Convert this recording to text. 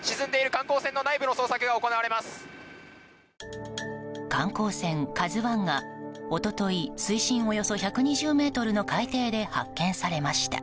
観光船「ＫＡＺＵ１」が一昨日水深およそ１２０ｍの海底で発見されました。